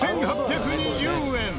６８２０円。